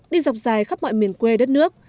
đi dọc dài khắp mọi miền quê đất nước